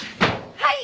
はい！